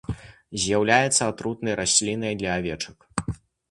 З'яўляецца атрутнай раслінай для авечак.